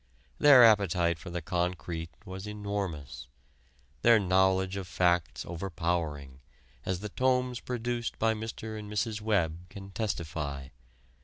Their appetite for the concrete was enormous; their knowledge of facts overpowering, as the tomes produced by Mr. and Mrs. Webb can testify.